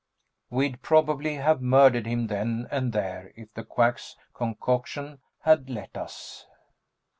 We'd probably have murdered him then and there if the Quack's concoction had let us.